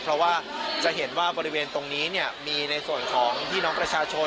เพราะว่าจะเห็นว่าบริเวณตรงนี้มีในส่วนของพี่น้องประชาชน